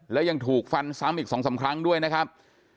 แล้วยังถูกฟันซ้ำอีก๒๓ครั้งด้วยนะครับ